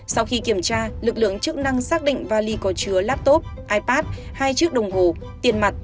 sau khi kiểm tra lực lượng chức năng xác định vali có chứa laptop ipad hai chiếc đồng hồ tiền mặt